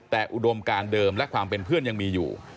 แต่อุดมการเดิมและความเป็นเพื่อนยังมีอยู่